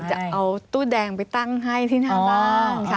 จะเอาตู้แดงไปตั้งให้ที่หน้าบ้าน